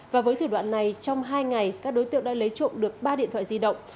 và với thủ đoạn này trong hai ngày các đối tượng đã lấy trộm được ba điện thoại di động